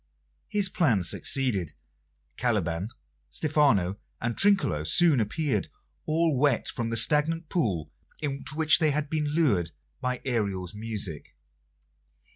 His plan succeeded. Caliban, Stephano, and Trinculo soon appeared, all wet from the stagnant pool into which they had been lured by Ariel's music.